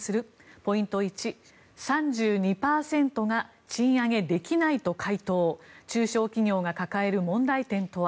ポイント１３２％が賃上げできないと回答中小企業が抱える問題点とは。